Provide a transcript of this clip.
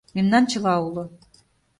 Мемнан чыла уло.